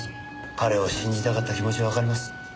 彼を信じたかった気持ちはわかります。